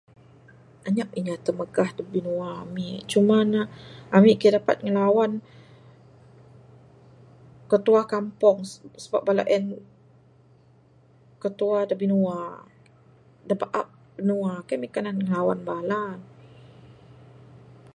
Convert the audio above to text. Anyap inya timagah da binua ami cuma ne ami kaii dapat lawan...ketua kampung sabab bala en ketua da binua...da baak binua kaii ami dapat lawan bala.